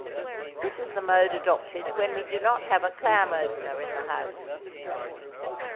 This is the mode adopted when we do not have a clam opener in the house.